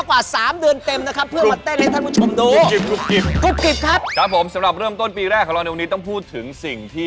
ยืนยืนยืนยืน